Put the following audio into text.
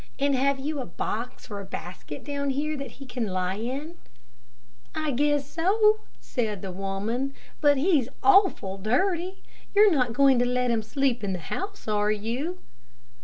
And have you a box or a basket down here that he can lie in?" "I guess so," said the woman; "but he's awful dirty; you're not going to let him sleep in the house, are you?"